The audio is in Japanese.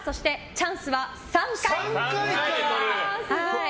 チャンスは３回。